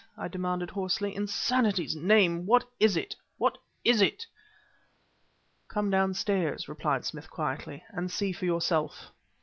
I demanded hoarsely. "In sanity's name what is it what is it?" "Come downstairs," replied Smith quietly, "and see for yourself."